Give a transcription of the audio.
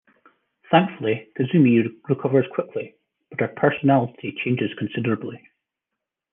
Thankfully, Kazumi recovers quickly, but her personality changes considerably.